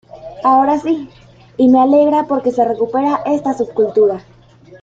Ahora sí, y me alegra porque se recupera esta subcultura.